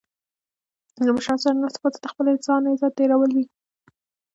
د مشرانو سره ناسته پاسته د خپل ځان عزت ډیرول وي